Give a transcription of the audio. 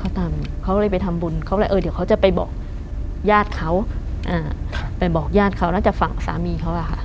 เขาตามเขาเลยไปทำบุญเขาเลยเออเดี๋ยวเขาจะไปบอกญาติเขาไปบอกญาติเขาน่าจะฝั่งสามีเขาอะค่ะ